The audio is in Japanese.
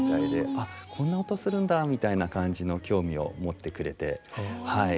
「あこんな音するんだ」みたいな感じの興味を持ってくれてはい。